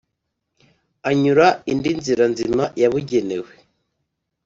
anyura indi nzira nzima yabugenewe